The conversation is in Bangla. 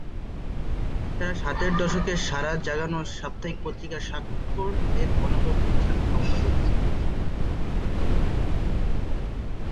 এছাড়া ষাটের দশকের সাড়া জাগানো সাপ্তাহিক পত্রিকা 'স্বাক্ষর' এর অন্যতম প্রতিষ্ঠা সম্পাদক ছিলেন।